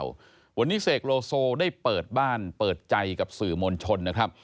วันนี้เสกโลโซได้เปิดบ้านเปิดใจกับสื่อมวลชนนะครับ